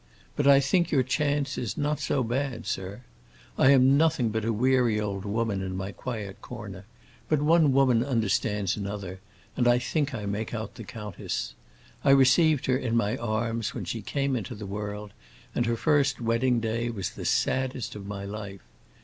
But I think your chance is not so bad, sir. I am nothing but a weary old woman in my quiet corner, but one woman understands another, and I think I make out the countess. I received her in my arms when she came into the world and her first wedding day was the saddest of my life.